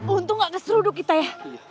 untung gak ngeseruduk kita ya